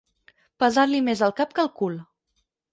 Pesar-li més el cap que el cul.